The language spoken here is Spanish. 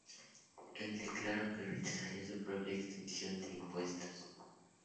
Él declaró que rechazaría su propia exención de impuestos.